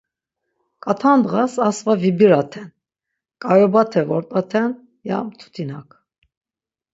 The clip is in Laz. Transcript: K̆at̆a ndğas asva vibiraten, ǩayobate vort̆aten, ya mtutinak.